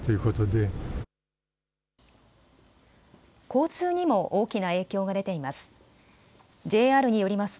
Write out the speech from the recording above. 交通にも大きな影響が出ています。